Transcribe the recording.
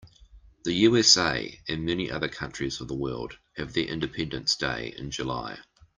The USA and many other countries of the world have their independence day in July.